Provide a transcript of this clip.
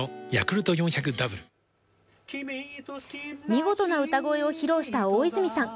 見事な歌声を披露した大泉さん。